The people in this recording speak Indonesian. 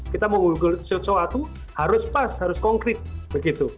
kita mau mengunggul sesuatu harus pas harus konkret